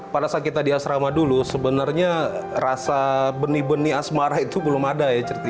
pada saat kita di asrama dulu sebenarnya rasa benih benih asmarah itu belum ada ya